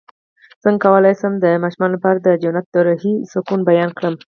څنګه کولی شم د ماشومانو لپاره د جنت د روحي سکون بیان کړم